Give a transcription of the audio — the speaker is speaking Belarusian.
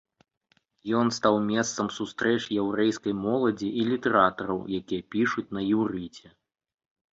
Ён стаў месцам сустрэч яўрэйскай моладзі і літаратараў, якія пішуць на іўрыце.